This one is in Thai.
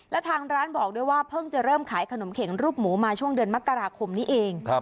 และทางร้านบอกด้วยว่าเพิ่งจะเริ่มขายขนมเข็งรูปหมูมาช่วงเดือนมกราคมนี้เอง